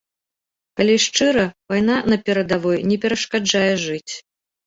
Калі шчыра, вайна на перадавой не перашкаджае жыць.